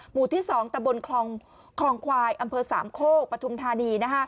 หมู่ที่๒ตะบนคลองควายอำเภอสามโคกปฐุมธานี